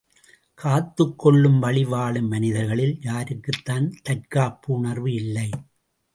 காத்துக் கொள்ளும் வழி வாழும் மனிதர்களில் யாருக்குத்தான் தற்காப்பு உணர்வு இல்லை!